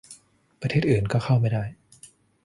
ประเทศอื่นก็เข้าไม่ได้